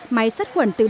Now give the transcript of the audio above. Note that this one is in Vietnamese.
máy sắt khuẩn tự động